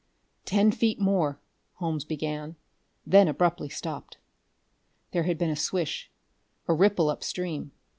"Ten feet more " Holmes began then abruptly stopped. There had been a swish, a ripple upstream.